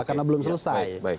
karena belum selesai